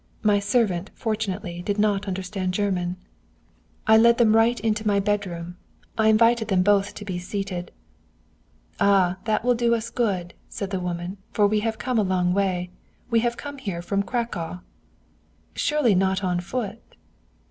My servant, fortunately, did not understand German. "I led them right into my bedroom. I invited them both to be seated. "'Ah, that will do us good,' said the woman, 'for we have come a long way. We have come here from Cracow.' "'Surely not on foot?'